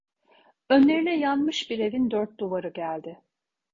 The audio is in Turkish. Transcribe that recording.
Önlerine yanmış bir evin dört duvarı geldi.